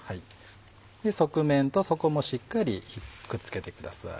側面と底もしっかりくっつけてください。